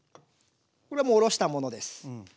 これもおろしたものです。